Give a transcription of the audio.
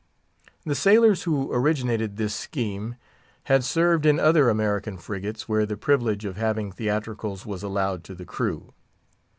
The sailors who originated this scheme had served in other American frigates, where the privilege of having theatricals was allowed to the crew.